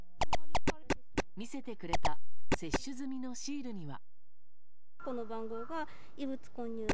見せてくれた接種済みのシールには。